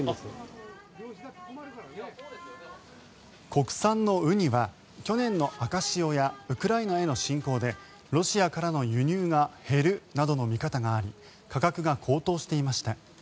国産のウニは去年の赤潮やウクライナへの侵攻でロシアからの輸入が減るなどの見方があり価格が高騰していました。